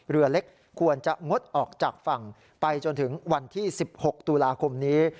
เรือเล็กควรจะงดออกจากฝั่งไปจนถึงวันที่๑๖ตุลาคมนี้